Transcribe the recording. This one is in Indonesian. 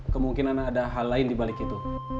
kemungkinan ada hal lain dibalik itu